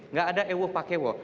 nggak ada ewo pakewo